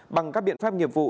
bằng các biện pháp nghiệp vụ